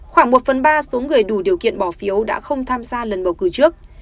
khoảng một phần ba số người đủ điều kiện bỏ phiếu đã không tham gia lần bầu cử trước